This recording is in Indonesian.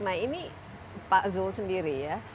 nah ini pak zul sendiri ya